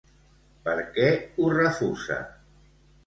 Per què ho refusa?